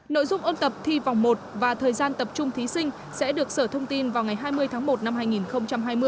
nội dung ôn tập thi vòng một và thời gian tập trung thí sinh sẽ được sở thông tin vào ngày hai mươi tháng một năm hai nghìn hai mươi